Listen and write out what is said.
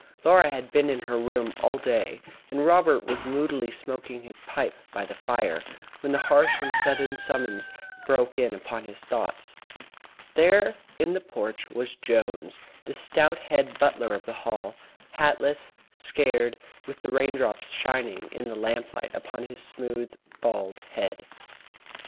Laura had been in her room all day, and Robert was moodily smoking his pipe by the fire, when this harsh and sudden summons broke in upon his thoughts. There in the porch was Jones, the stout head butler of the Hall, hatless, scared, with the raindrops shining in the lamplight upon his smooth, bald head.